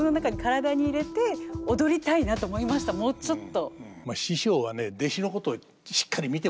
もうちょっと。